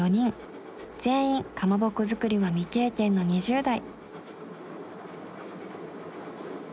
全員かまぼこ作りは未経験の２０代。